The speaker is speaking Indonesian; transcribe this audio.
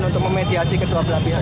dan untuk memediasi ketua pelabian